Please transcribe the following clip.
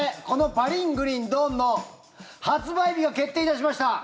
この「パリングリンドーン」の発売日が決定いたしました！